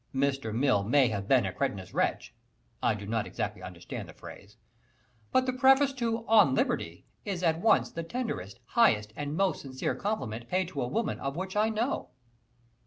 Mr. Mill may have been a cretinous wretch (I do not exactly understand the phrase), but the preface to "On Liberty" is at once the tenderest, highest and most sincere compliment paid to a woman, of which I know.